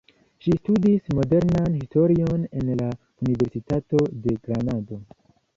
Ŝi studis Modernan Historion en la Universitato de Granado.